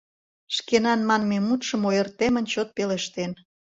«Шкенан» манме мутшым ойыртемын чот пелештен.